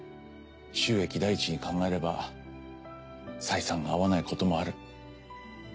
収益第一に考えれば採算が合わないこともある。